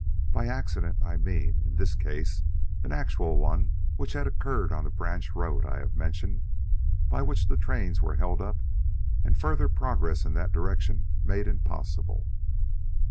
By accident I mean, in this case, an actual one which had occurred on the branch road I have mentioned, by which the trains were held up and further progress in that direction made impossible.